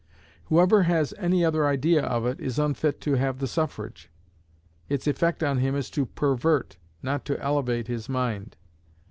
Whoever has any other idea of it is unfit to have the suffrage; its effect on him is to pervert, not to elevate his mind.